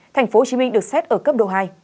tp hcm được xét ở cấp độ hai